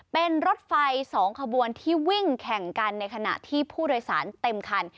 เป็นรถไฟ๒ขบวนที่วิ่งแข่งกันในขณะที่ผู้โดยสารเต็มคัน